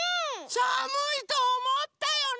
さむいとおもったよね！